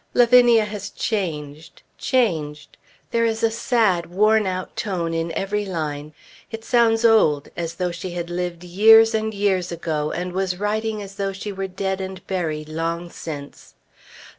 Lavinia has changed, changed. There is a sad, worn out tone in every line; it sounds old, as though she had lived years and years ago and was writing as though she were dead and buried long since.